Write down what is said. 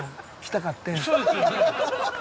そうですよね。